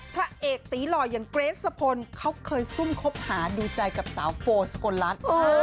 พระเอกตีหล่ออย่างเกรสสะพลเขาเคยซุ่มคบหาดูใจกับสาวโฟสกลรัฐ